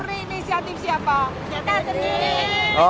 ini murni inisiatif siapa